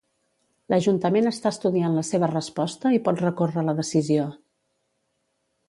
L'Ajuntament està estudiant la seva resposta i pot recórrer la decisió.